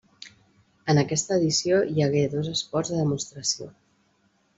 En aquesta edició hi hagué dos esports de demostració.